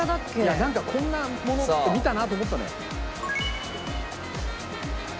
いやなんかこんなものって見たなと思ったのよ。